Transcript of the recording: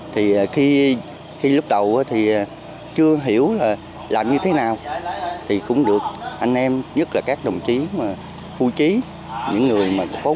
thì khi lúc đầu thì chưa hiểu là làm như thế nào thì cũng được anh em nhất là các đồng chí mà phu trí những người mà có quy tính ở địa phương